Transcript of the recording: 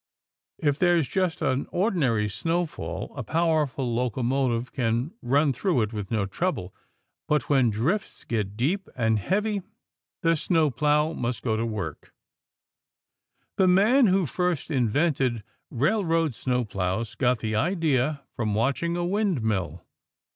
If there's just an ordinary snowfall, a powerful locomotive can run through it with no trouble. But when drifts get deep and heavy, the snow plow must go to work. The man who first invented railroad snow plows got the idea from watching a windmill.